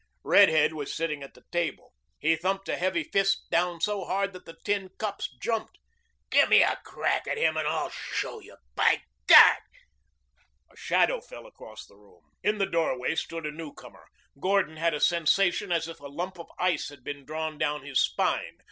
Redhead was sitting at the table. He thumped a heavy fist down so hard that the tin cups jumped. "Gimme a crack at him and I'll show you, by God." A shadow fell across the room. In the doorway stood a newcomer. Gordon had a sensation as if a lump of ice had been drawn down his spine.